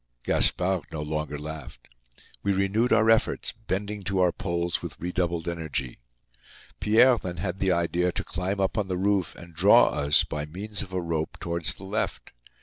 Gaspard no longer laughed. We renewed our efforts, bending to our poles with redoubled energy. Pierre then had the idea to climb up on the roof and draw us, by means of a rope, towards the left.